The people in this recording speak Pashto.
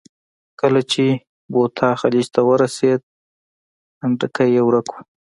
کله چې بوتا خلیج ته ورسېدل، پنډکی یې ورک و.